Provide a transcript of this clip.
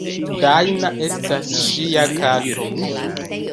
Dajna estas ŝia kato.